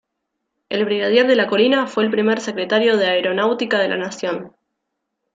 El Brigadier De la Colina fue el primer Secretario de Aeronáutica de la Nación.